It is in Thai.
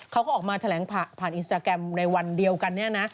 เขาก็ออกมาแถลงผ่านอินสตาแกรมในวันเดียวกันเนี่ยนะ